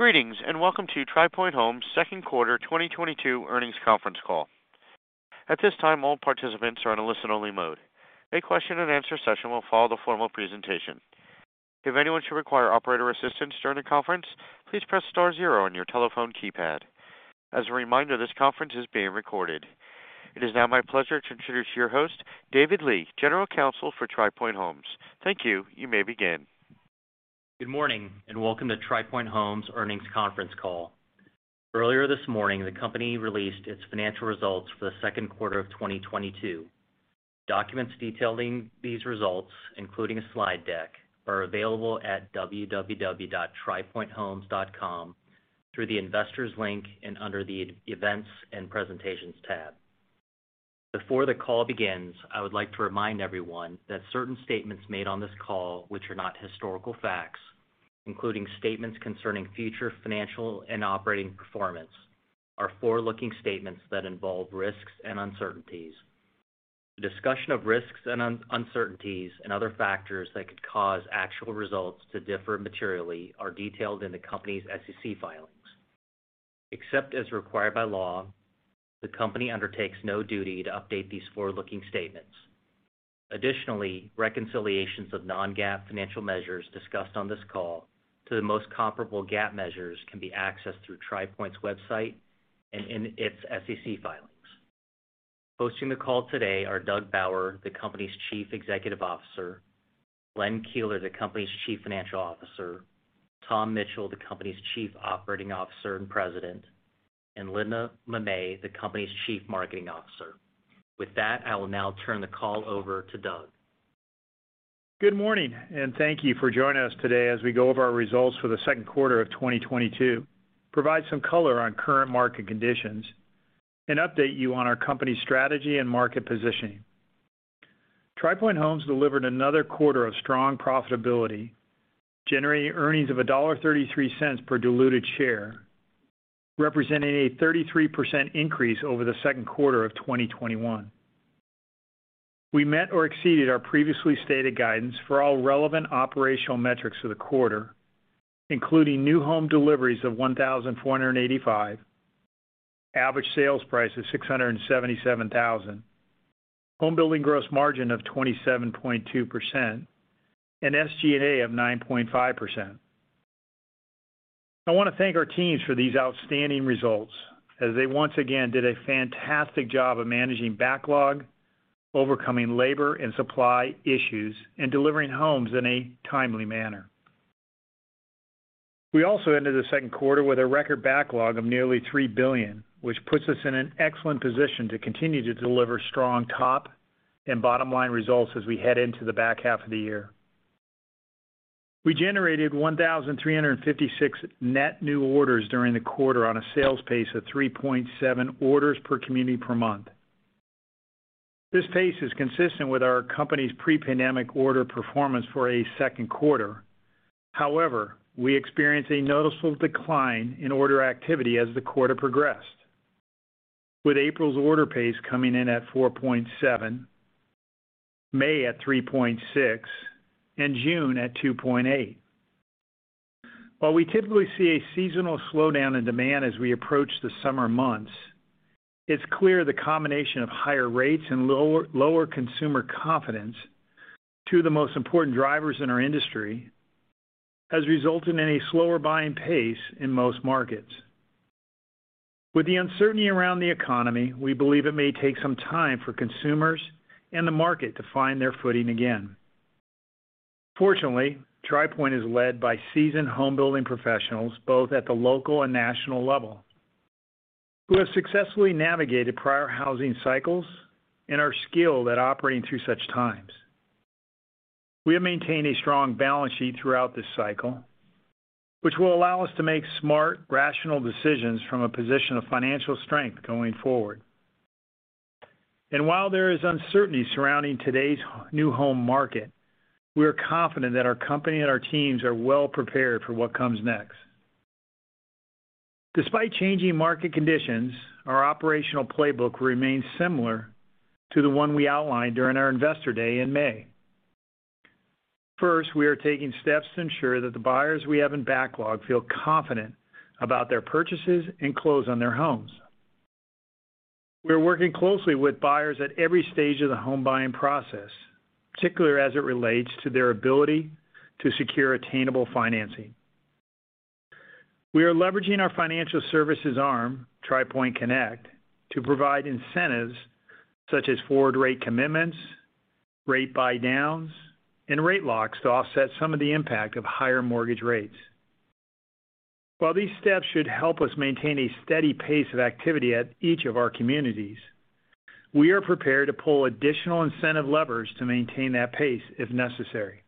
Greetings, and welcome to Tri Pointe Homes' Q2 2022 earnings conference call. At this time, all participants are in a listen-only mode. A question and answer session will follow the formal presentation. If anyone should require operator assistance during the conference, please press star zero on your telephone keypad. As a reminder, this conference is being recorded. It is now my pleasure to introduce your host, David Lee, General Counsel for Tri Pointe Homes. Thank you. You may begin. Good morning and welcome to Tri Pointe Homes' earnings conference call. Earlier this morning, the company released its financial results for the Q2 of 2022. Documents detailing these results, including a slide deck, are available at www.tripointehomes.com through the Investors link and under the Events and Presentations tab. Before the call begins, I would like to remind everyone that certain statements made on this call which are not historical facts, including statements concerning future financial and operating performance, are forward-looking statements that involve risks and uncertainties. The discussion of risks and uncertainties and other factors that could cause actual results to differ materially are detailed in the company's SEC filings. Except as required by law, the company undertakes no duty to update these forward-looking statements. Additionally, reconciliations of non-GAAP financial measures discussed on this call to the most comparable GAAP measures can be accessed through Tri Pointe's website and in its SEC filings. Hosting the call today are Doug Bauer, the company's Chief Executive Officer, Glenn Keeler, the company's Chief Financial Officer, Tom Mitchell, the company's Chief Operating Officer and President, and Linda Mamet, the company's Chief Marketing Officer. With that, I will now turn the call over to Doug. Good morning, and thank you for joining us today as we go over our results for the Q2 of 2022, provide some color on current market conditions, and update you on our company strategy and market positioning. Tri Pointe Homes delivered another quarter of strong profitability, generating earnings of $1.33 per diluted share, representing a 33% increase over the Q2 of 2021. We met or exceeded our previously stated guidance for all relevant operational metrics for the quarter, including new home deliveries of 1,485, average sales price of $677,000, homebuilding gross margin of 27.2%, and SG&A of 9.5%. I want to thank our teams for these outstanding results as they once again did a fantastic job of managing backlog, overcoming labor and supply issues, and delivering homes in a timely manner. We also ended the Q2 with a record backlog of nearly $3 billion, which puts us in an excellent position to continue to deliver strong top and bottom-line results as we head into the back half of the year. We generated 1,356 net new orders during the quarter on a sales pace of 3.7 orders per community per month. This pace is consistent with our company's pre-pandemic order performance for a Q2. However, we experienced a noticeable decline in order activity as the quarter progressed, with April's order pace coming in at 4.7, May at 3.6, and June at 2.8. While we typically see a seasonal slowdown in demand as we approach the summer months, it's clear the combination of higher rates and lower consumer confidence to the most important drivers in our industry has resulted in a slower buying pace in most markets. With the uncertainty around the economy, we believe it may take some time for consumers and the market to find their footing again. Fortunately, Tri Pointe is led by seasoned home building professionals, both at the local and national level, who have successfully navigated prior housing cycles and are skilled at operating through such times. We have maintained a strong balance sheet throughout this cycle, which will allow us to make smart, rational decisions from a position of financial strength going forward. While there is uncertainty surrounding today's new home market, we are confident that our company and our teams are well prepared for what comes next. Despite changing market conditions, our operational playbook remains similar to the one we outlined during our Investor Day in May. First, we are taking steps to ensure that the buyers we have in backlog feel confident about their purchases and close on their homes. We're working closely with buyers at every stage of the home buying process, particularly as it relates to their ability to secure attainable financing. We are leveraging our financial services arm, Tri Pointe Connect, to provide incentives such as forward rate commitments, rate buydowns, and rate locks to offset some of the impact of higher mortgage rates. While these steps should help us maintain a steady pace of activity at each of our communities, we are prepared to pull additional incentive levers to maintain that pace if necessary.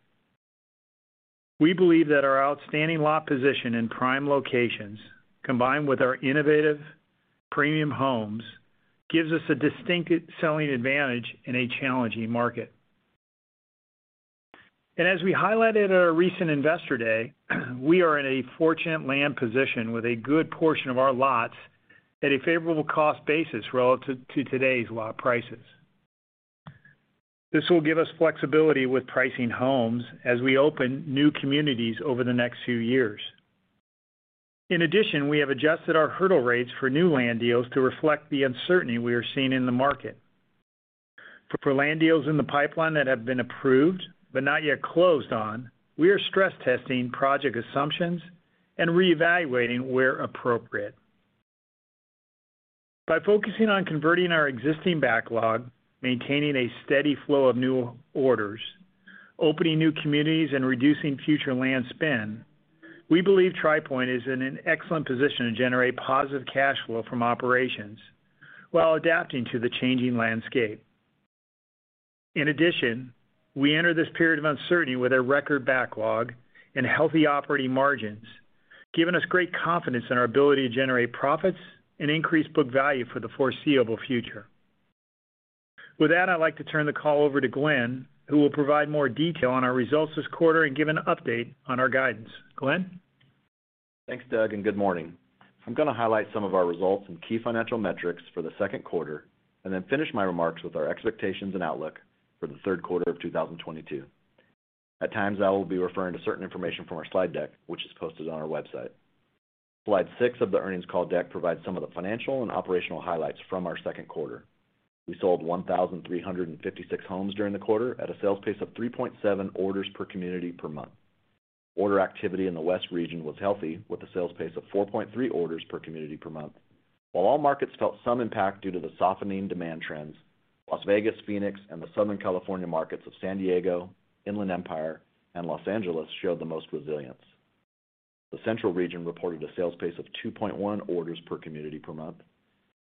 We believe that our outstanding lot position in prime locations, combined with our innovative premium homes, gives us a distinct selling advantage in a challenging market. As we highlighted at our recent Investor Day, we are in a fortunate land position with a good portion of our lots at a favorable cost basis relative to today's lot prices. This will give us flexibility with pricing homes as we open new communities over the next few years. In addition, we have adjusted our hurdle rates for new land deals to reflect the uncertainty we are seeing in the market. For land deals in the pipeline that have been approved but not yet closed on, we are stress testing project assumptions and reevaluating where appropriate. By focusing on converting our existing backlog, maintaining a steady flow of new orders, opening new communities and reducing future land spend, we believe Tri Pointe is in an excellent position to generate positive cash flow from operations while adapting to the changing landscape. In addition, we enter this period of uncertainty with a record backlog and healthy operating margins, giving us great confidence in our ability to generate profits and increase book value for the foreseeable future. With that, I'd like to turn the call over to Glenn, who will provide more detail on our results this quarter and give an update on our guidance. Glenn? Thanks, Doug, and good morning. I'm gonna highlight some of our results and key financial metrics for the Q2, and then finish my remarks with our expectations and outlook for the Q3 of 2022. At times, I will be referring to certain information from our slide deck, which is posted on our website. Slide 6 of the earnings call deck provides some of the financial and operational highlights from our Q2. We sold 1,356 homes during the quarter at a sales pace of 3.7 orders per community per month. Order activity in the West region was healthy, with a sales pace of 4.3 orders per community per month. While all markets felt some impact due to the softening demand trends, Las Vegas, Phoenix, and the Southern California markets of San Diego, Inland Empire, and Los Angeles showed the most resilience. The central region reported a sales pace of 2.1 orders per community per month.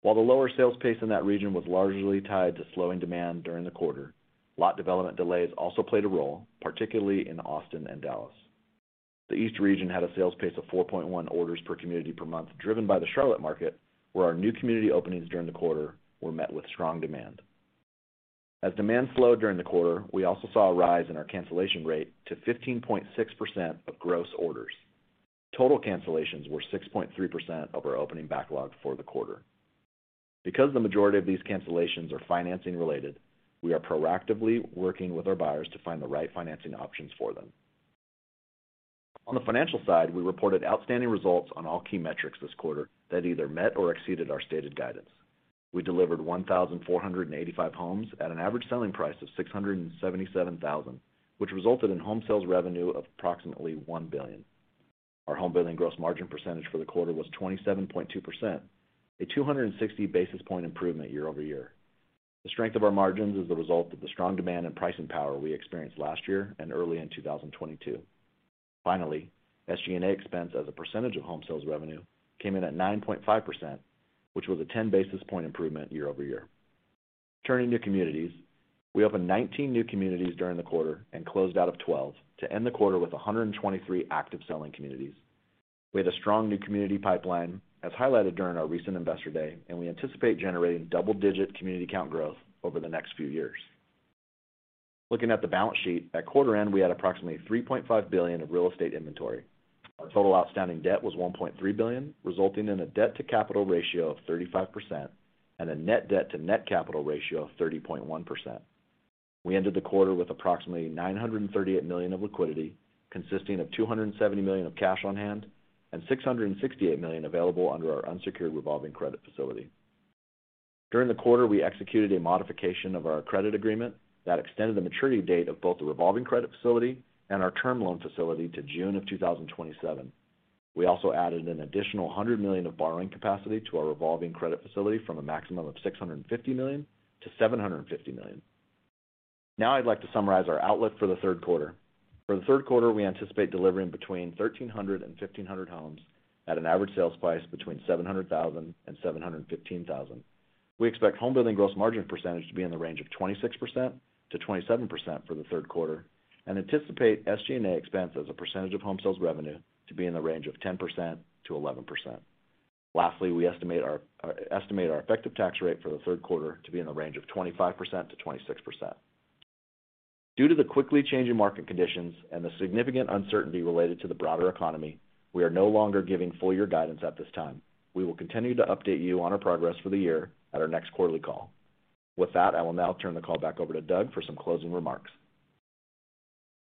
While the lower sales pace in that region was largely tied to slowing demand during the quarter, lot development delays also played a role, particularly in Austin and Dallas. The East region had a sales pace of 4.1 orders per community per month, driven by the Charlotte market, where our new community openings during the quarter were met with strong demand. As demand slowed during the quarter, we also saw a rise in our cancellation rate to 15.6% of gross orders. Total cancellations were 6.3% of our opening backlog for the quarter. Because the majority of these cancellations are financing related, we are proactively working with our buyers to find the right financing options for them. On the financial side, we reported outstanding results on all key metrics this quarter that either met or exceeded our stated guidance. We delivered 1,485 homes at an average selling price of $677,000, which resulted in home sales revenue of approximately $1 billion. Our home building gross margin percentage for the quarter was 27.2%, a 260 basis point improvement year-over-year. The strength of our margins is the result of the strong demand and pricing power we experienced last year and early in 2022. Finally, SG&A expense as a percentage of home sales revenue came in at 9.5%, which was a 10 basis point improvement year-over-year. Turning to communities. We opened 19 new communities during the quarter and closed out of 12 to end the quarter with 123 active selling communities. We had a strong new community pipeline, as highlighted during our recent Investor Day, and we anticipate generating double-digit community count growth over the next few years. Looking at the balance sheet, at quarter end, we had approximately $3.5 billion of real estate inventory. Our total outstanding debt was $1.3 billion, resulting in a debt-to-capital ratio of 35% and a net debt to net capital ratio of 30.1%. We ended the quarter with approximately $938 million of liquidity, consisting of $270 million of cash on hand and $668 million available under our unsecured revolving credit facility. During the quarter, we executed a modification of our credit agreement that extended the maturity date of both the revolving credit facility and our term loan facility to June of 2027. We also added an additional $100 million of borrowing capacity to our revolving credit facility from a maximum of $650 million to $750 million. Now I'd like to summarize our outlook for the Q3. For the Q3, we anticipate delivering between 1,300 and 1,500 homes at an average sales price between $700,000 and $715,000. We expect home building gross margin percentage to be in the range of 26%-27% for the Q3 and anticipate SG&A expense as a percentage of home sales revenue to be in the range of 10%-11%. Lastly, we estimate our effective tax rate for the Q3 to be in the range of 25%-26%. Due to the quickly changing market conditions and the significant uncertainty related to the broader economy, we are no longer giving full year guidance at this time. We will continue to update you on our progress for the year at our next quarterly call. With that, I will now turn the call back over to Doug for some closing remarks.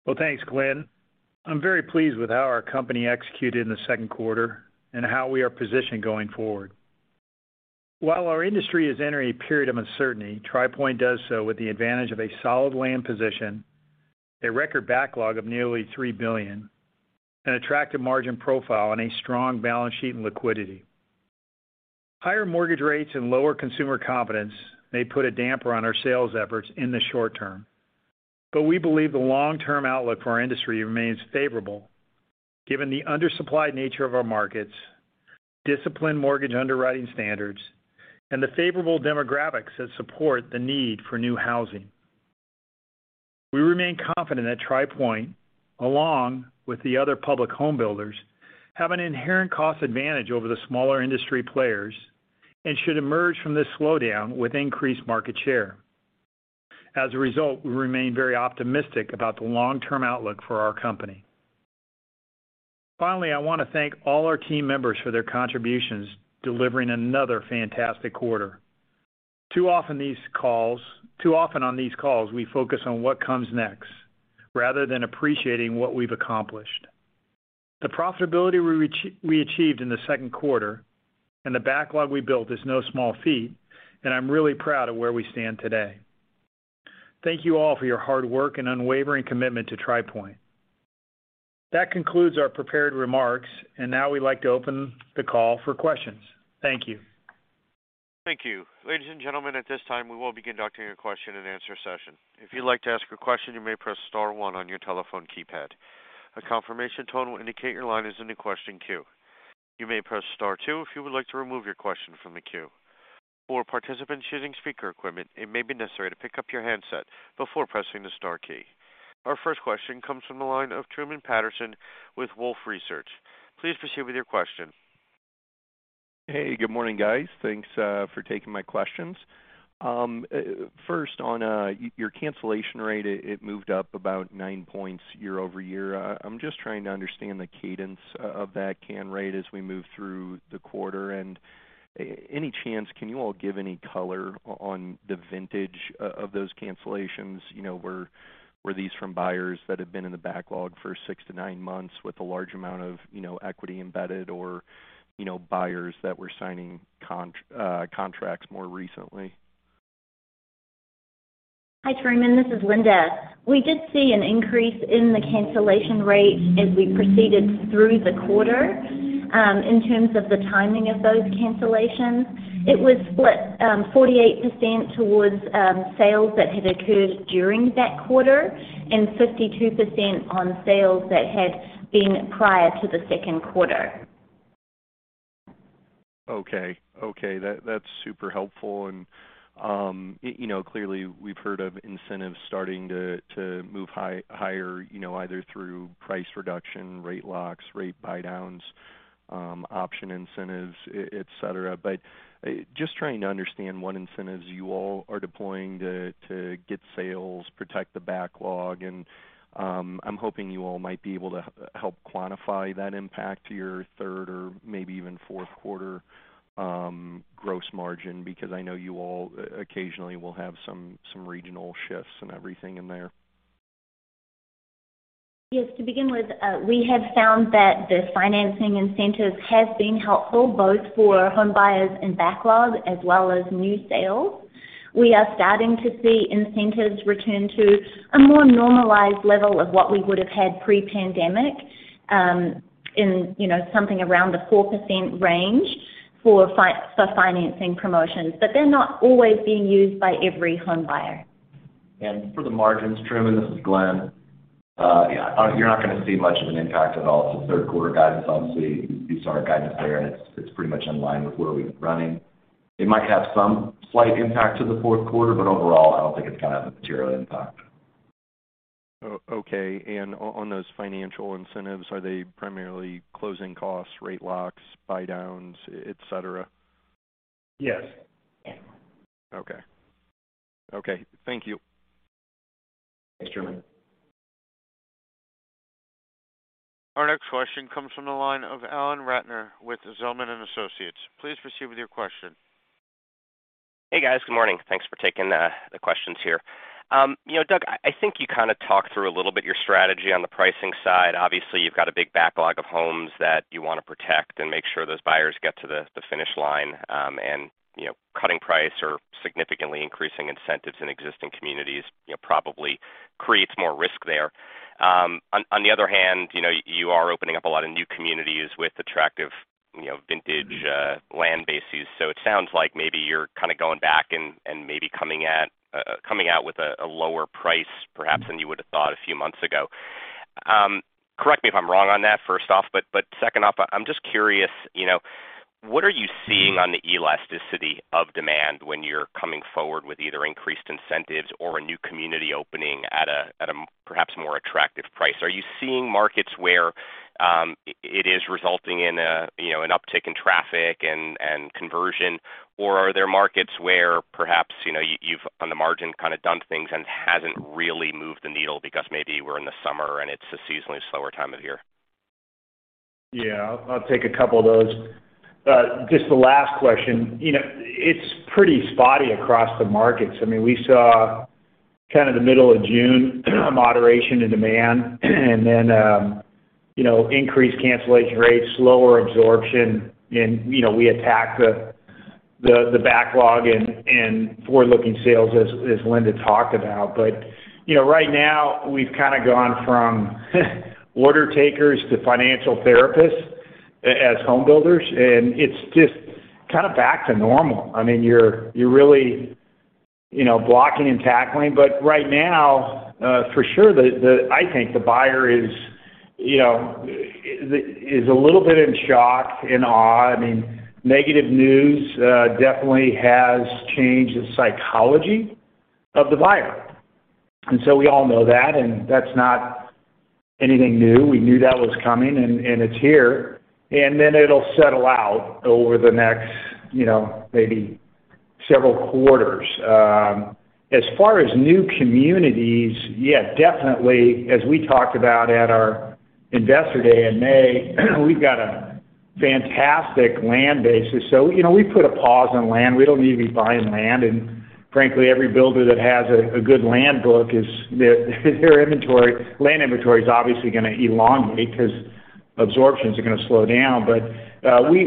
Well, thanks, Glenn. I'm very pleased with how our company executed in the Q2 and how we are positioned going forward. While our industry is entering a period of uncertainty, Tri Pointe does so with the advantage of a solid land position, a record backlog of nearly $3 billion, an attractive margin profile, and a strong balance sheet and liquidity. Higher mortgage rates and lower consumer confidence may put a damper on our sales efforts in the short term, but we believe the long-term outlook for our industry remains favorable given the undersupplied nature of our markets, disciplined mortgage underwriting standards, and the favorable demographics that support the need for new housing. We remain confident that Tri Pointe, along with the other public home builders, have an inherent cost advantage over the smaller industry players and should emerge from this slowdown with increased market share. As a result, we remain very optimistic about the long-term outlook for our company. Finally, I wanna thank all our team members for their contributions, delivering another fantastic quarter. Too often on these calls, we focus on what comes next rather than appreciating what we've accomplished. The profitability we achieved in the Q2 and the backlog we built is no small feat, and I'm really proud of where we stand today. Thank you all for your hard work and unwavering commitment to Tri Pointe. That concludes our prepared remarks, and now we'd like to open the call for questions. Thank you. Thank you. Ladies and gentlemen, at this time, we will begin conducting a question-and-answer session. If you'd like to ask a question, you may press star one on your telephone keypad. A confirmation tone will indicate your line is in the question queue. You may press star two if you would like to remove your question from the queue. For participants using speaker equipment, it may be necessary to pick up your handset before pressing the star key. Our first question comes from the line of Truman Patterson with Wolfe Research. Please proceed with your question. Hey, good morning, guys. Thanks for taking my questions. First, on your cancellation rate, it moved up about 9 points year-over-year. I'm just trying to understand the cadence of that cancellation rate as we move through the quarter. Any chance can you all give any color on the vintage of those cancellations? You know, were these from buyers that had been in the backlog for 6-9 months with a large amount of, you know, equity embedded or, you know, buyers that were signing contracts more recently? Hi, Truman. This is Linda. We did see an increase in the cancellation rate as we proceeded through the quarter. In terms of the timing of those cancellations, it was split, 48% towards sales that had occurred during that quarter, and 52% on sales that had been prior to the Q2. Okay. Okay. That's super helpful. You know, clearly, we've heard of incentives starting to move higher, you know, either through price reduction, rate locks, rate buydowns, option incentives, et cetera. Just trying to understand what incentives you all are deploying to get sales, protect the backlog, and I'm hoping you all might be able to help quantify that impact to your Q3 or maybe even Q4 gross margin, because I know you all occasionally will have some regional shifts and everything in there. Yes. To begin with, we have found that the financing incentives have been helpful both for home buyers and backlog as well as new sales. We are starting to see incentives return to a more normalized level of what we would've had pre-pandemic, in, you know, something around the 4% range for financing promotions. They're not always being used by every home buyer. For the margins, Truman, this is Glenn. You're not gonna see much of an impact at all to Q3 guidance. Obviously, you saw our guidance there, and it's pretty much in line with where we've been running. It might have some slight impact to the Q4, but overall, I don't think it's gonna have a material impact. Okay. On those financial incentives, are they primarily closing costs, rate locks, buydowns, et cetera? Yes. Yes. Okay, thank you. Thanks, Truman. Our next question comes from the line of Alan Ratner with Zelman & Associates. Please proceed with your question. Hey, guys. Good morning. Thanks for taking the questions here. You know, Doug, I think you kinda talked through a little bit your strategy on the pricing side. Obviously, you've got a big backlog of homes that you wanna protect and make sure those buyers get to the finish line, and you know, cutting price or significantly increasing incentives in existing communities, you know, probably creates more risk there. On the other hand, you know, you are opening up a lot of new communities with attractive you know, vintage land bases. It sounds like maybe you're kinda going back and maybe coming out with a lower price perhaps than you would've thought a few months ago. Correct me if I'm wrong on that, first off, but second off, I'm just curious, you know, what are you seeing on the elasticity of demand when you're coming forward with either increased incentives or a new community opening at a perhaps more attractive price? Are you seeing markets where it is resulting in a, you know, an uptick in traffic and conversion, or are there markets where perhaps, you know, you've, on the margin, kinda done things and hasn't really moved the needle because maybe we're in the summer and it's a seasonally slower time of year? Yeah. I'll take a couple of those. Just the last question. You know, it's pretty spotty across the markets. I mean, we saw kind of the middle of June moderation in demand, and then, you know, increased cancellation rates, slower absorption. You know, we attacked the backlog and forward-looking sales, as Linda talked about. You know, right now we've kind of gone from order takers to financial therapists as home builders, and it's just kind of back to normal. I mean, you're really, you know, blocking and tackling. Right now, for sure, I think the buyer is, you know, a little bit in shock and awe. I mean, negative news definitely has changed the psychology of the buyer. We all know that, and that's not anything new. We knew that was coming and it's here. It'll settle out over the next, you know, maybe several quarters. As far as new communities, yeah, definitely. As we talked about at our Investor Day in May, we've got a fantastic land base. You know, we put a pause on land. We don't need to be buying land. Frankly, every builder that has a good land book is their inventory, land inventory is obviously gonna elongate 'cause absorptions are gonna slow down.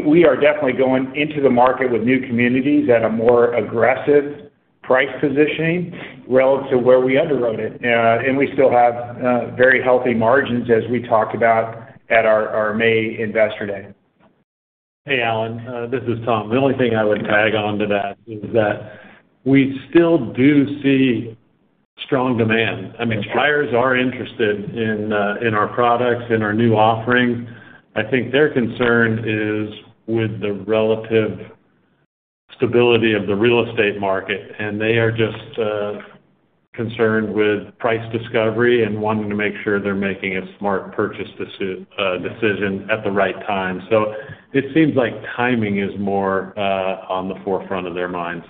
We are definitely going into the market with new communities at a more aggressive price positioning relative where we underwrote it. We still have very healthy margins, as we talked about at our May Investor Day. Hey, Alan, this is Tom. The only thing I would tag on to that is that we still do see strong demand. I mean, buyers are interested in our products, in our new offerings. I think their concern is with the relative stability of the real estate market, and they are just concerned with price discovery and wanting to make sure they're making a smart purchase decision at the right time. It seems like timing is more on the forefront of their minds.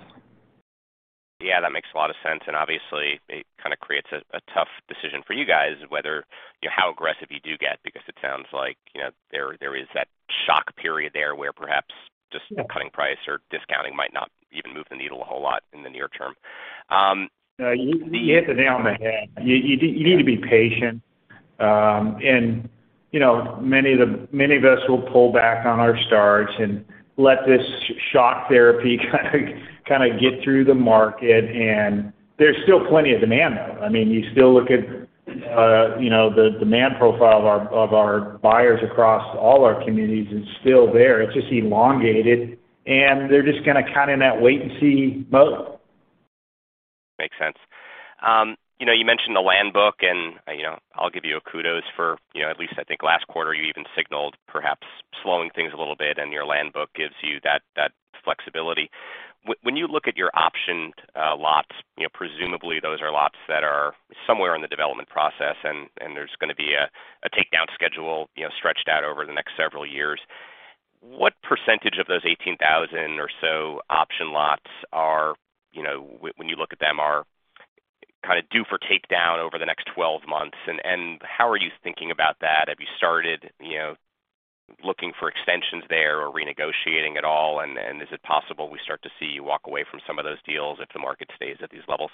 Yeah, that makes a lot of sense. Obviously it kind of creates a tough decision for you guys whether, you know, how aggressive you do get, because it sounds like, you know, there is that shock period there where perhaps just- Yeah Cutting price or discounting might not even move the needle a whole lot in the near term. You hit the nail on the head. You need to be patient. You know, many of us will pull back on our starts and let this shock therapy kind of get through the market, and there's still plenty of demand, though. I mean, you still look at, you know, the demand profile of our buyers across all our communities is still there. It's just elongated, and they're just gonna be in that wait and see mode. Makes sense. You know, you mentioned the land book, and, you know, I'll give you a kudos for, you know, at least I think last quarter you even signaled perhaps slowing things a little bit, and your land book gives you that flexibility. When you look at your option lots, you know, presumably those are lots that are somewhere in the development process and there's gonna be a takedown schedule, you know, stretched out over the next several years. What percentage of those 18,000 or so option lots are, you know, when you look at them, are kind of due for takedown over the next 12 months? And how are you thinking about that? Have you started, you know, looking for extensions there or renegotiating at all? Is it possible we start to see you walk away from some of those deals if the market stays at these levels?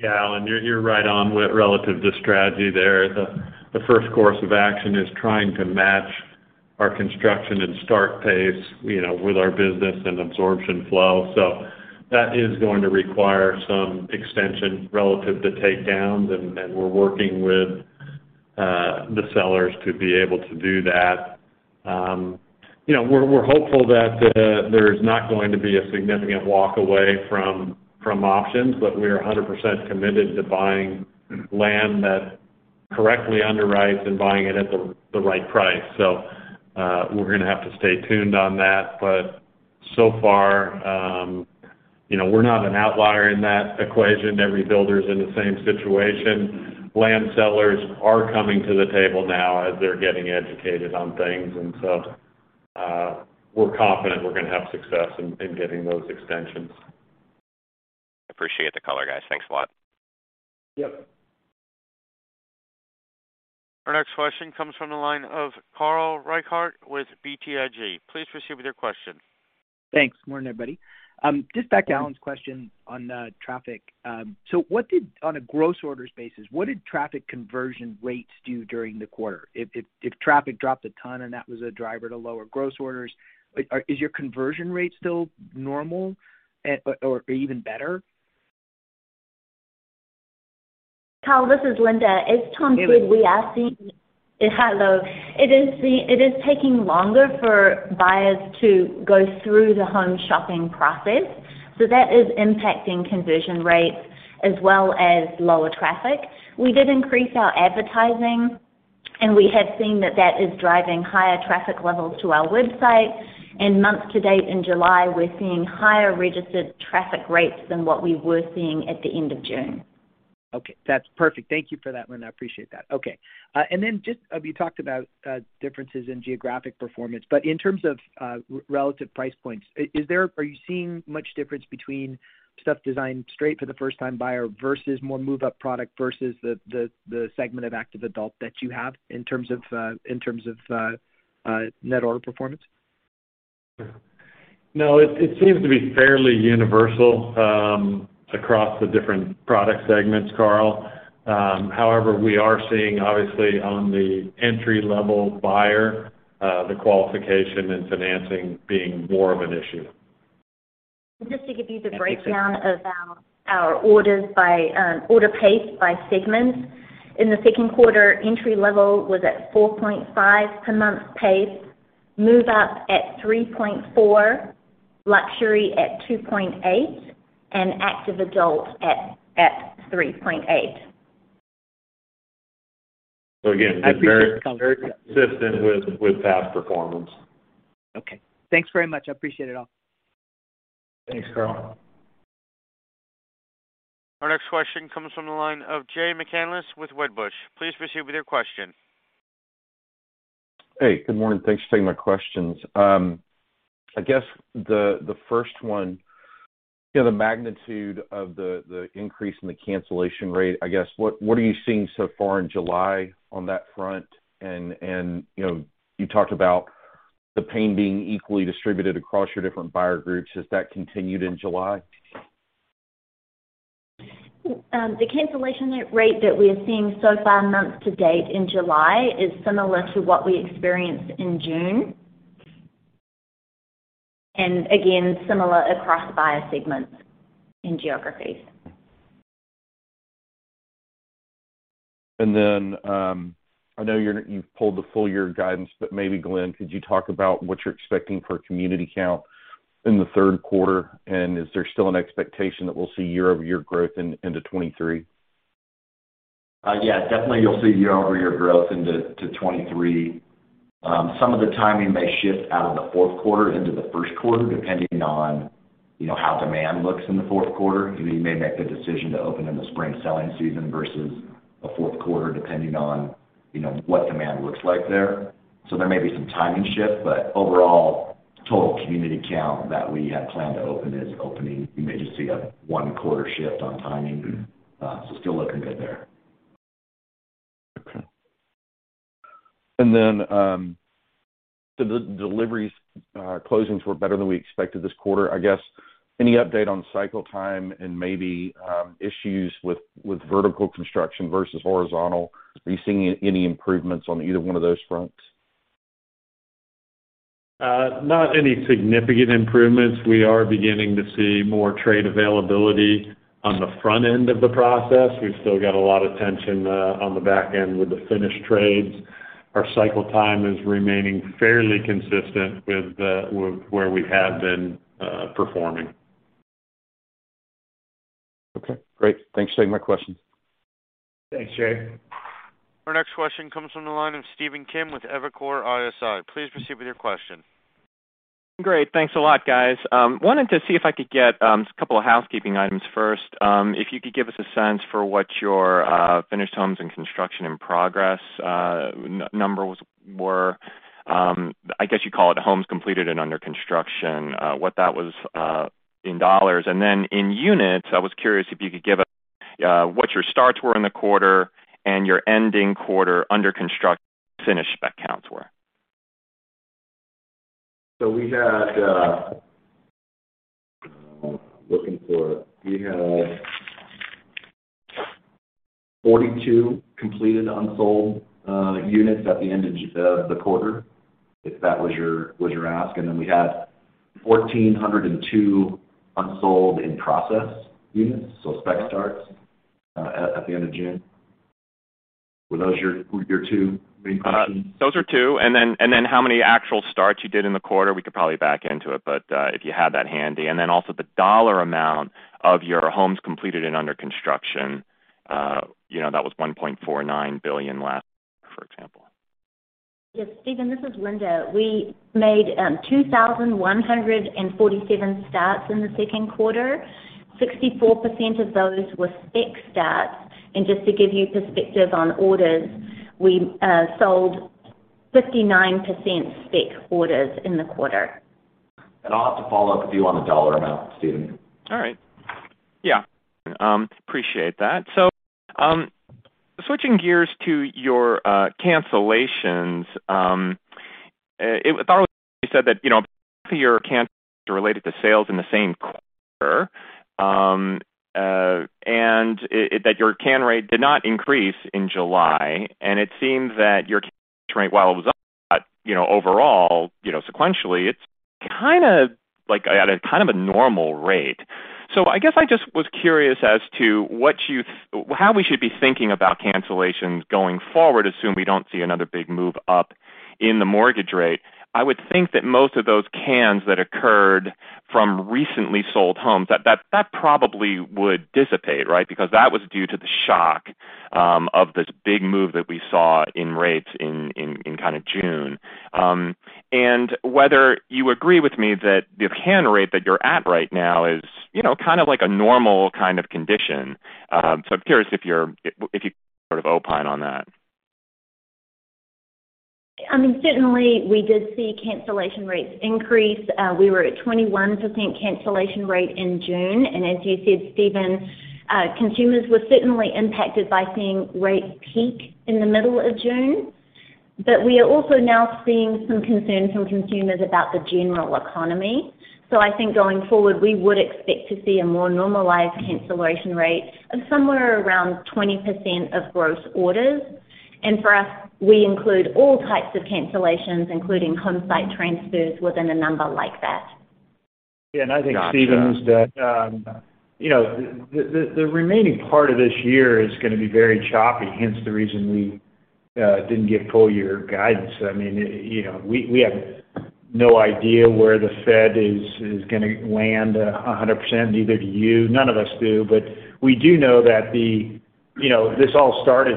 Yeah, Alan, you're right on with relative to strategy there. The first course of action is trying to match our construction and start pace, you know, with our business and absorption flow. That is going to require some extension relative to takedowns, and we're working with the sellers to be able to do that. You know, we're hopeful that there's not going to be a significant walk away from options, but we are 100% committed to buying land that correctly underwrites and buying it at the right price. We're gonna have to stay tuned on that. So far, you know, we're not an outlier in that equation. Every builder's in the same situation. Land sellers are coming to the table now as they're getting educated on things, and so we're confident we're gonna have success in getting those extensions. Appreciate the color, guys. Thanks a lot. Yep. Our next question comes from the line of Carl Reichardt with BTIG. Please proceed with your question. Thanks. Morning, everybody. Just back to Alan's question on traffic. On a gross orders basis, what did traffic conversion rates do during the quarter? If traffic dropped a ton and that was a driver to lower gross orders, is your conversion rate still normal or even better? Carl, this is Linda. As Tom said, we are seeing. Can you? Hello. It is taking longer for buyers to go through the home shopping process, so that is impacting conversion rates as well as lower traffic. We did increase our advertising, and we have seen that that is driving higher traffic levels to our website. Month to date in July, we're seeing higher registered traffic rates than what we were seeing at the end of June. Okay, that's perfect. Thank you for that, Linda. I appreciate that. Okay. Then just as you talked about differences in geographic performance, but in terms of relative price points, are you seeing much difference between stuff designed straight for the first-time buyer versus more move-up product versus the segment of active adult that you have in terms of net order performance? No, it seems to be fairly universal across the different product segments, Carl. However, we are seeing obviously on the entry-level buyer the qualification and financing being more of an issue. Just to give you the breakdown of our orders by order pace by segments. In the Q2, entry level was at 4.5 per month pace, move up at 3.4, luxury at 2.8, and active adult at 3.8. I appreciate the color. Again, just very, very consistent with past performance. Okay. Thanks very much. I appreciate it all. Thanks, Carl. Our next question comes from the line of Jay McCanless with Wedbush. Please proceed with your question. Hey, good morning. Thanks for taking my questions. I guess the first one, you know, the magnitude of the increase in the cancellation rate. I guess, what are you seeing so far in July on that front? You know, you talked about the pain being equally distributed across your different buyer groups. Has that continued in July? The cancellation rate that we are seeing so far month to date in July is similar to what we experienced in June. Again, similar across buyer segments and geographies. I know you've pulled the full year guidance, but maybe Glenn, could you talk about what you're expecting for community count in the Q3? Is there still an expectation that we'll see year-over-year growth into 2023? Yeah, definitely you'll see year-over-year growth into 2023. Some of the timing may shift out of the Q4 into the Q1, depending on, you know, how demand looks in the Q4. You know, you may make the decision to open in the spring selling season versus a Q4, depending on, you know, what demand looks like there. There may be some timing shift, but overall, total community count that we have planned to open is opening. You may just see a 1-quarter shift on timing. Still looking good there. Okay. The deliveries, closings were better than we expected this quarter. I guess, any update on cycle time and maybe, issues with vertical construction versus horizontal? Are you seeing any improvements on either one of those fronts? Not any significant improvements. We are beginning to see more trade availability on the front end of the process. We've still got a lot of tension on the back end with the finished trades. Our cycle time is remaining fairly consistent with where we have been performing. Okay, great. Thanks for taking my question. Thanks, Jay. Our next question comes from the line of Stephen Kim with Evercore ISI. Please proceed with your question. Great. Thanks a lot, guys. Wanted to see if I could get just a couple of housekeeping items first. If you could give us a sense for what your finished homes and construction in progress number was. I guess you call it homes completed and under construction, what that was in dollars. Then in units, I was curious if you could give what your starts were in the quarter and your ending quarter under construction finish spec counts were. We had 42 completed unsold units at the end of the quarter, if that was your ask. We had 1,402 unsold in process units, so spec starts, at the end of June. Were those your 2 main questions? Those are 2. Then how many actual starts you did in the quarter? We could probably back into it, but if you had that handy. Then also the dollar amount of your homes completed and under construction. You know, that was $1.49 billion last year, for example. Yes, Stephen, this is Linda. We made 2,147 starts in the Q2. 64% of those were spec starts. Just to give you perspective on orders, we sold 59% spec orders in the quarter. I'll have to follow up with you on the dollar amount, Stephen. All right. Yeah, appreciate that. Switching gears to your cancellations, I thought it was, you said that, you know, half of your cancellations are related to sales in the same quarter, that your cancel rate did not increase in July. It seems that your cancellation rate, while it was up, you know, overall, you know, sequentially it's kinda like at a kind of a normal rate. I guess I just was curious as to how we should be thinking about cancellations going forward, assume we don't see another big move up in the mortgage rate. I would think that most of those cans that occurred from recently sold homes, that probably would dissipate, right? Because that was due to the shock of this big move that we saw in rates in kinda June. Whether you agree with me that the current rate that you're at right now is, you know, kind of like a normal kind of condition. I'm curious if you sort of opine on that. I mean, certainly we did see cancellation rates increase. We were at 21% cancellation rate in June, and as you said, Stephen, consumers were certainly impacted by seeing rates peak in the middle of June. We are also now seeing some concern from consumers about the general economy. I think going forward, we would expect to see a more normalized cancellation rate of somewhere around 20% of gross orders. For us, we include all types of cancellations, including home site transfers within a number like that. Yeah, I think, Stephen, that the remaining part of this year is gonna be very choppy, hence the reason we didn't give full year guidance. I mean, you know, we have no idea where the Fed is gonna land 100%, neither do you, none of us do. We do know that. You know, this all started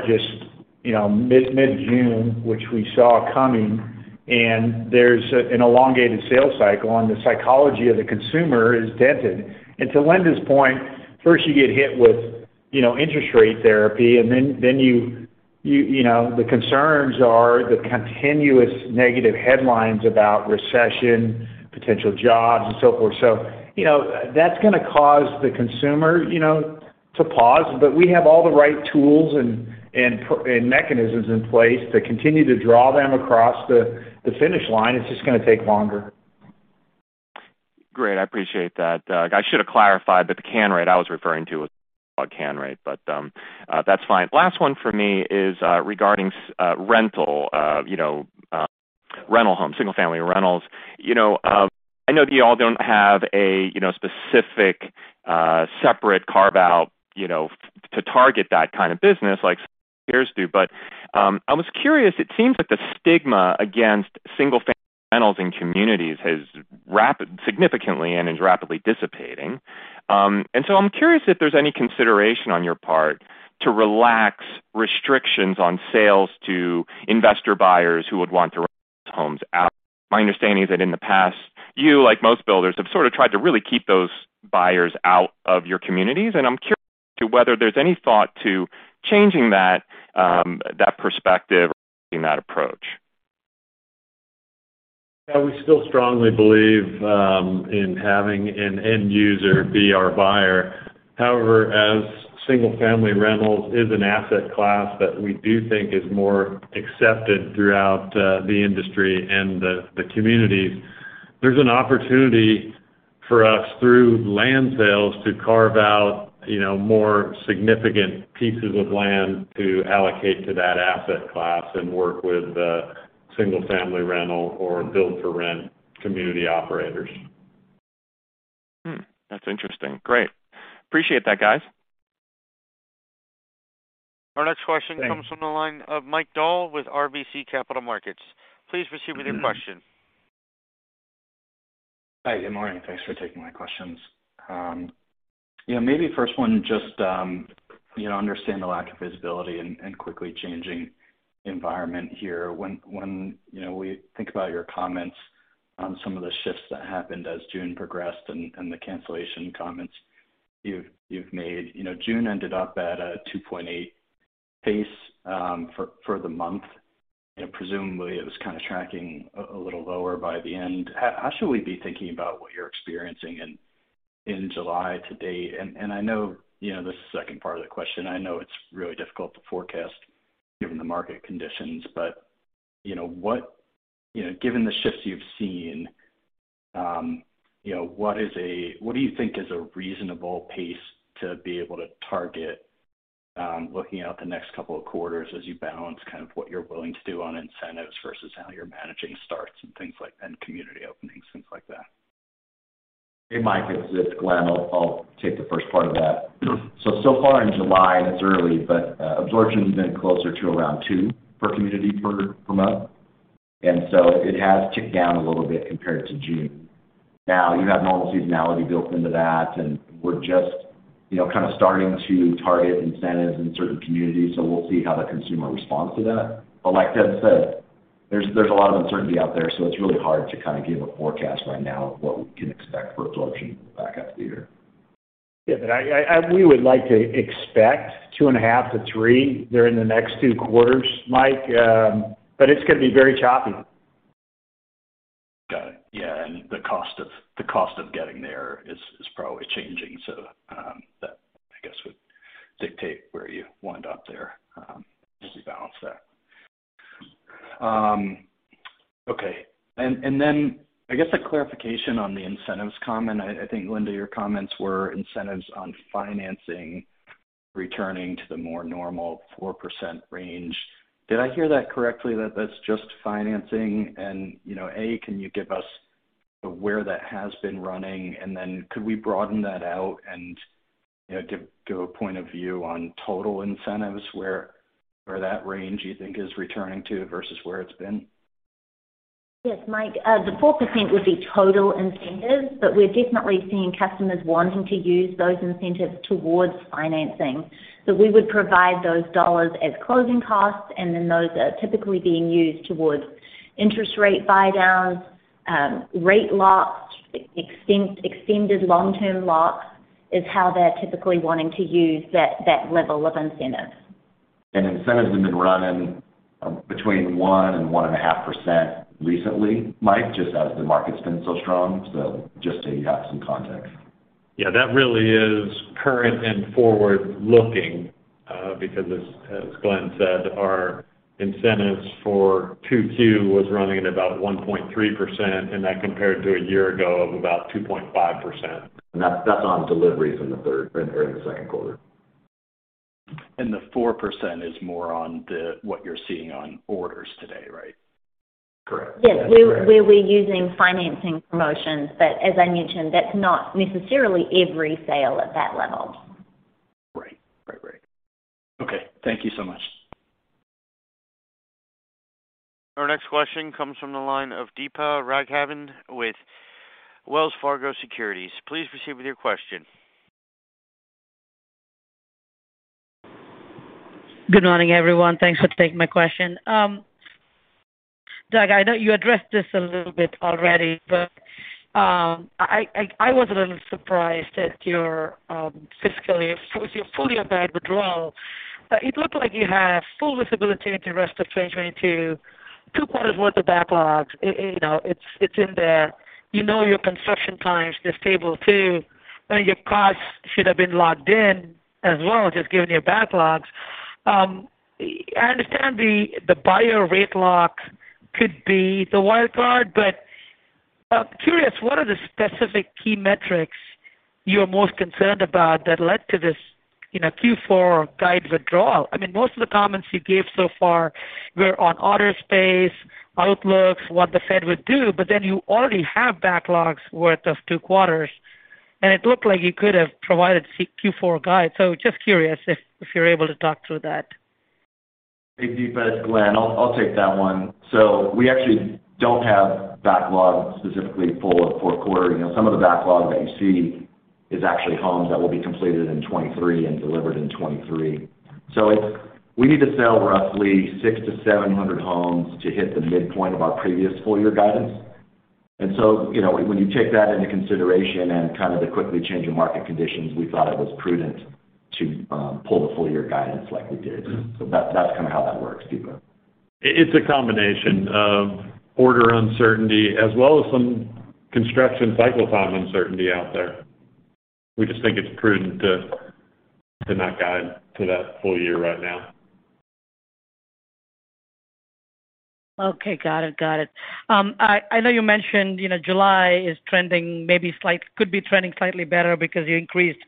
mid-June, which we saw coming, and there's an elongated sales cycle, and the psychology of the consumer is dented. To Linda's point, first you get hit with, you know, interest rate therapy, and then you know, the concerns are the continuous negative headlines about recession, potential jobs, and so forth. You know, that's gonna cause the consumer, you know, to pause, but we have all the right tools and mechanisms in place to continue to draw them across the finish line. It's just gonna take longer. Great. I appreciate that. I should have clarified, but the cancel rate I was referring to was about cancel rate, but that's fine. Last 1 for me is regarding single-family rental. You know, rental homes, single-family rentals. You know, I know that y'all don't have a specific separate carve-out to target that kind of business like peers do, but I was curious. It seems that the stigma against single-family rentals in communities has significantly and is rapidly dissipating. I'm curious if there's any consideration on your part to relax restrictions on sales to investor buyers who would want to rent those homes out. My understanding is that in the past, you, like most builders, have sort of tried to really keep those buyers out of your communities, and I'm curious as to whether there's any thought to changing that perspective or changing that approach? Yeah, we still strongly believe in having an end user be our buyer. However, as single-family rentals is an asset class that we do think is more accepted throughout the industry and the communities, there's an opportunity for us through land sales to carve out, you know, more significant pieces of land to allocate to that asset class and work with single-family rental or build-for-rent community operators. That's interesting. Great. Appreciate that, guys. Our next question comes from the line of Mike Dahl with RBC Capital Markets. Please proceed with your question. Hi. Good morning. Thanks for taking my questions. Yeah, maybe first one, just you know, understand the lack of visibility and quickly changing environment here. When you know, we think about your comments on some of the shifts that happened as June progressed and the cancellation comments you've made, you know, June ended up at a 2.8 pace for the month, and presumably it was kinda tracking a little lower by the end. How should we be thinking about what you're experiencing in July to date? I know this is the second part of the question. I know it's really difficult to forecast given the market conditions, but you know, what You know, given the shifts you've seen, you know, what do you think is a reasonable pace to be able to target, looking out the next couple of quarters as you balance kind of what you're willing to do on incentives versus how you're managing starts and things like and community openings, things like that? Hey, Mike. This is Glenn. I'll take the first part of that. So far in July, and it's early, but absorption's been closer to around 2 per community per month. It has ticked down a little bit compared to June. Now you have normal seasonality built into that, and we're just, you know, kind of starting to target incentives in certain communities, so we'll see how the consumer responds to that. Like Ted said, there's a lot of uncertainty out there, so it's really hard to kind of give a forecast right now of what we can expect for absorption back half of the year. We would like to expect 2.5-3 during the next 2 quarters, Mike, but it's gonna be very choppy. Got it. Yeah. The cost of getting there is probably changing, so that, I guess, would dictate where you wind up there, as you balance that. Okay. Then I guess a clarification on the incentives comment. I think, Linda, your comments were incentives on financing returning to the more normal 4% range. Did I hear that correctly, that that's just financing? You know, can you give us where that has been running? Then could we broaden that out and, you know, give a point of view on total incentives, where that range, you think, is returning to versus where it's been? Yes, Mike, the 4% would be total incentives, but we're definitely seeing customers wanting to use those incentives towards financing. We would provide those dollars as closing costs, and then those are typically being used towards interest rate buydowns, rate locks, extended long-term locks, is how they're typically wanting to use that level of incentive. Incentives have been running 1%-1.5% recently, Mike, just as the market's been so strong. Just so you have some context. Yeah, that really is current and forward-looking, because as Glenn said, our incentives for 2Q was running at about 1.3%, and that compared to a year ago of about 2.5%. That's on deliveries in the Q2. The 4% is more on the what you're seeing on orders today, right? Correct. Yes. We're using financing promotions, but as I mentioned, that's not necessarily every sale at that level. Right. Okay, thank you so much. Our next question comes from the line of Deepa Raghavan with Wells Fargo Securities. Please proceed with your question. Good morning, everyone. Thanks for taking my question. Doug, I know you addressed this a little bit already, but I was a little surprised with your full-year guide withdrawal. It looked like you have full visibility into the rest of 2022, 2 quarters worth of backlogs. You know, it's in there. You know your construction times are stable too, and your costs should have been locked in as well, just given your backlogs. I understand the buyer rate lock could be the wild card, but curious, what are the specific key metrics you're most concerned about that led to this, you know, Q4 guide withdrawal? I mean, most of the comments you gave so far were on order pace, outlooks, what the Fed would do, but then you already have backlogs worth of 2 quarters, and it looked like you could have provided Q4 guide. Just curious if you're able to talk through that. Hey, Deepa, it's Glenn. I'll take that one. We actually don't have backlogs specifically full of Q4. You know, some of the backlog that you see is actually homes that will be completed in 2023 and delivered in 2023. We need to sell roughly 600-700 homes to hit the midpoint of our previous full year guidance. You know, when you take that into consideration and kind of the quickly changing market conditions, we thought it was prudent to pull the full year guidance like we did. That's kind of how that works, Deepa. It's a combination of order uncertainty as well as some construction cycle time uncertainty out there. We just think it's prudent to not guide to that full year right now. Got it. I know you mentioned, you know, July is trending maybe could be trending slightly better because you increased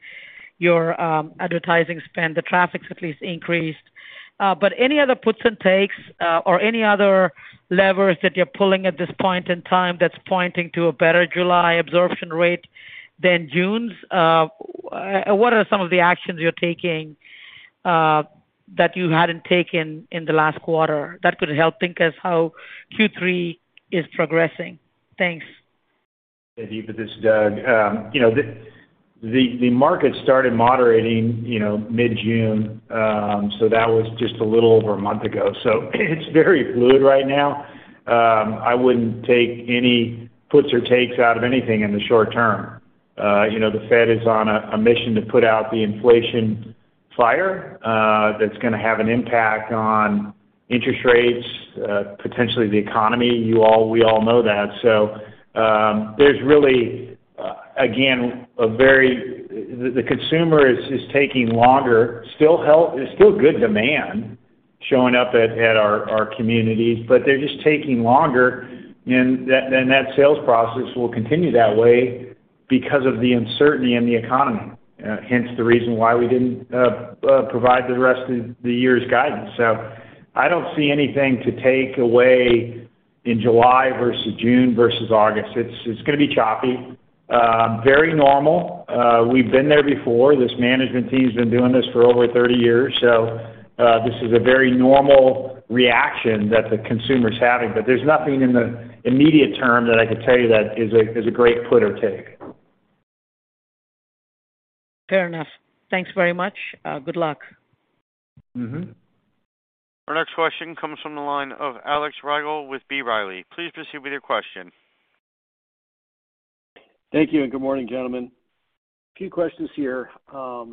your advertising spend. The traffic's at least increased. Any other puts and takes or any other levers that you're pulling at this point in time that's pointing to a better July absorption rate than June's? What are some of the actions you're taking that you hadn't taken in the last quarter that could help us think how Q3 is progressing? Thanks. Hey, Deepa. This is Doug. You know, the market started moderating, you know, mid-June. That was just a little over a month ago. It's very fluid right now. I wouldn't take any puts or takes out of anything in the short term. You know, the Fed is on a mission to put out the inflation fire, that's gonna have an impact on interest rates, potentially the economy. We all know that. There's really, again, the consumer is taking longer. There's still good demand showing up at our communities, but they're just taking longer. That sales process will continue that way because of the uncertainty in the economy, hence the reason why we didn't provide the rest of the year's guidance. I don't see anything to take away in July versus June versus August. It's gonna be choppy. Very normal. We've been there before. This management team's been doing this for over 30 years, so this is a very normal reaction that the consumer's having. There's nothing in the immediate term that I could tell you that is a great put or take. Fair enough. Thanks very much. Good luck. Mm-hmm. Our next question comes from the line of Alex Rygiel with B. Riley. Please proceed with your question. Thank you and good morning, gentlemen. A few questions here. The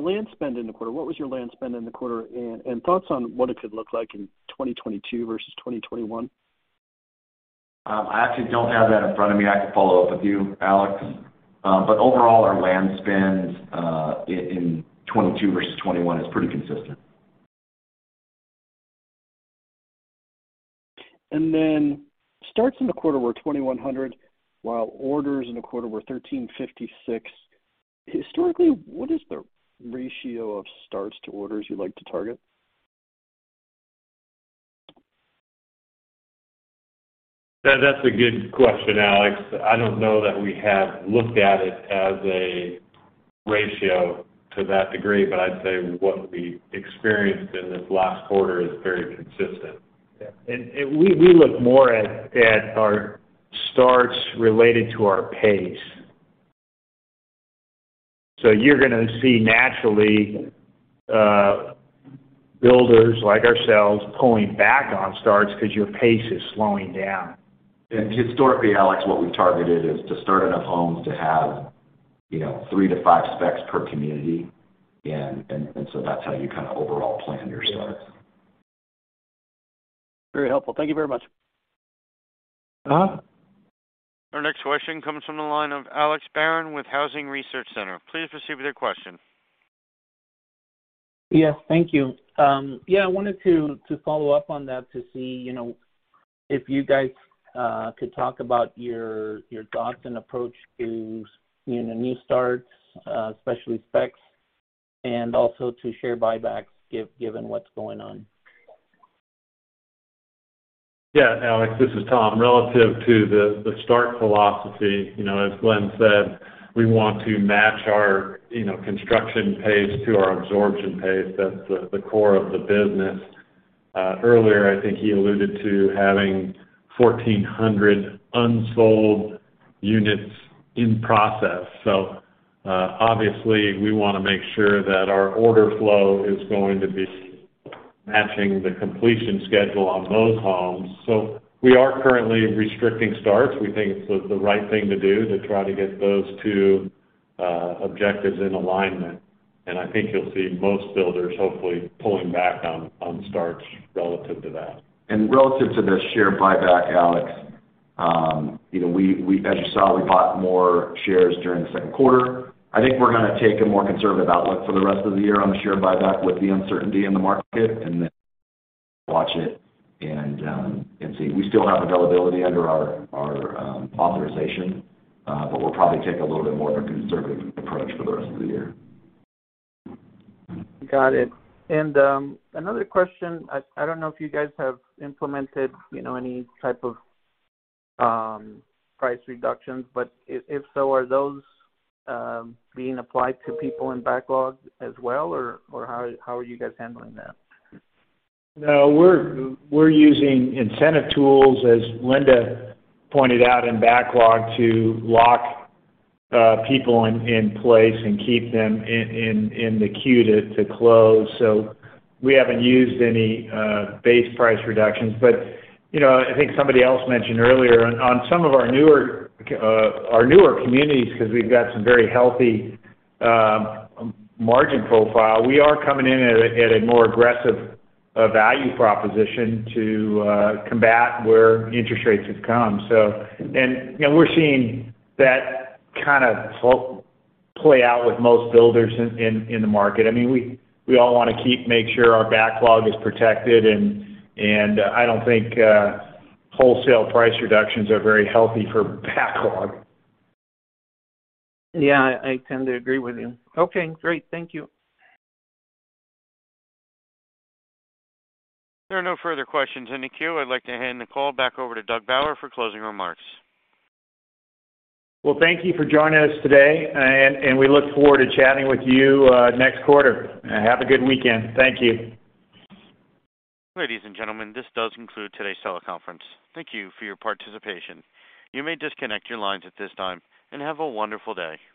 land spend in the quarter, what was your land spend in the quarter, and thoughts on what it could look like in 2022 versus 2021? I actually don't have that in front of me. I can follow up with you, Alex. Overall, our land spend in 2022 versus 2021 is pretty consistent. Starts in the quarter were 2,100, while orders in the quarter were 1,356. Historically, what is the ratio of starts to orders you like to target? That's a good question, Alex. I don't know that we have looked at it as a ratio to that degree, but I'd say what we experienced in this last quarter is very consistent. Yeah. We look more at our starts related to our pace. You're gonna see naturally, builders like ourselves pulling back on starts because your pace is slowing down. Historically, Alex, what we've targeted is to start enough homes to have, you know, 3-5 specs per community. That's how you kind of overall plan your starts. Very helpful. Thank you very much. Uh-huh. Our next question comes from the line of Alex Barron with Housing Research Center. Please proceed with your question. Yes, thank you. Yeah, I wanted to follow up on that to see, you know, if you guys could talk about your thoughts and approach to, you know, new starts, especially specs, and also to share buybacks given what's going on. Yeah, Alex, this is Tom. Relative to the start philosophy, you know, as Glenn said, we want to match our, you know, construction pace to our absorption pace. That's the core of the business. Earlier, I think he alluded to having 1,400 unsold units in process. Obviously we wanna make sure that our order flow is going to be matching the completion schedule on those homes. We are currently restricting starts. We think it's the right thing to do to try to get those 2 objectives in alignment. I think you'll see most builders hopefully pulling back on starts relative to that. Relative to the share buyback, Alex, as you saw, we bought more shares during the Q2. I think we're gonna take a more conservative outlook for the rest of the year on the share buyback with the uncertainty in the market and then watch it and see. We still have availability under our authorization, but we'll probably take a little bit more of a conservative approach for the rest of the year. Got it. Another question. I don't know if you guys have implemented, you know, any type of price reductions, but if so, are those being applied to people in backlog as well, or how are you guys handling that? No. We're using incentive tools, as Linda pointed out, in backlog to lock people in place and keep them in the queue to close. We haven't used any base price reductions. You know, I think somebody else mentioned earlier on some of our newer communities, 'cause we've got some very healthy margin profile, we are coming in at a more aggressive value proposition to combat where interest rates have come. You know, we're seeing that kind of play out with most builders in the market. I mean, we all wanna make sure our backlog is protected and I don't think wholesale price reductions are very healthy for backlog. Yeah, I tend to agree with you. Okay, great. Thank you. There are no further questions in the queue. I'd like to hand the call back over to Doug Bauer for closing remarks. Well, thank you for joining us today, and we look forward to chatting with you next quarter. Have a good weekend. Thank you. Ladies and gentlemen, this does conclude today's teleconference. Thank you for your participation. You may disconnect your lines at this time, and have a wonderful day.